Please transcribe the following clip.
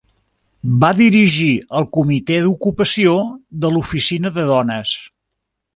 Va dirigir el Comitè d'Ocupació de l'Oficina de Dones.